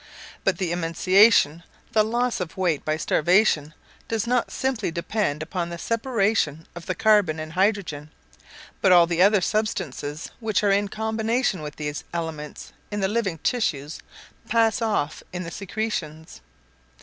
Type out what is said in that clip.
But the emaciation the loss of weight by starvation does not simply depend upon the separation of the carbon and hydrogen; but all the other substances which are in combination with these elements in the living tissues pass off in the secretions.